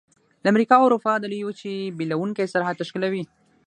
د امریکا او اروپا د لویې وچې بیلونکی سرحد تشکیلوي.